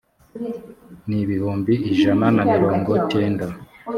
n ibihumbi ijana na mirongo cyenda